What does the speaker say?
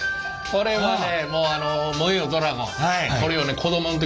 これはね。